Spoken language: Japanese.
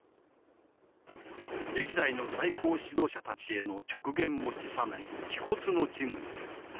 歴代の最高指導者たちへの直言も辞さない気骨の人物だった。